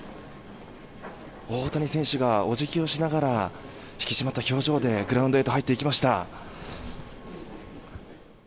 大谷選手がお辞儀をしながら引き締まった表情でグラウンドへと入っていきました。